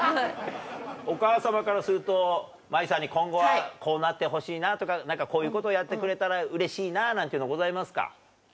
お母様からすると茉愛さんに今後はこうなってほしいなとかこういうことをやってくれたらうれしいななんていうのございますか？